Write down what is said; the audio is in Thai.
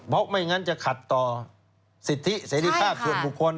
เพราะไม่งั้นจะขัดต่อสิทธิเสรีภาพส่วนบุคคล